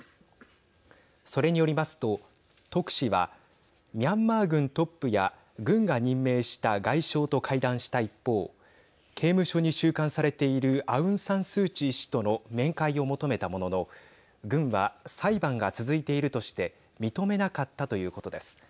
それによりますと特使は、ミャンマー軍トップや軍が任命した外相と会談した一方刑務所に収監されているアウン・サン・スー・チー氏との面会を求めたものの軍は、裁判が続いているとして認めなかったということです。